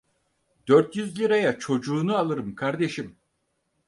Dört yüz liraya çocuğunu alırım kardeşim.